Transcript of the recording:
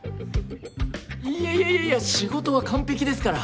いやいやいやいや仕事は完璧ですから。